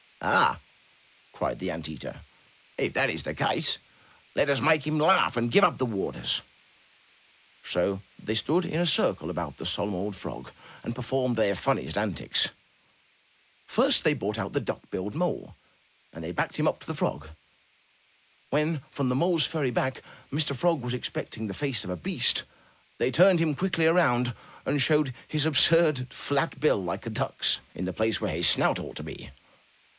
Ah!*' cried the ant eater. *'If that is the case, let us make him laugh and give up the rivers." So they all stood in a circle about the solemn old frog and performed their funniest antics. First they brought out the duck billed mole and they backed him up to the frog. When, from the mole's furry back, Mr. Frog was expecting the face of a beast, they turned him quickly around, and showed his absurd flat bill like a duck's, in the place where his snout ought to be!